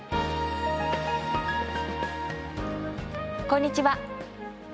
こんにちは。